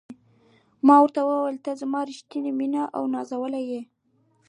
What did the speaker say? ما ورته وویل: ته زما ریښتینې مینه او نازولې یې.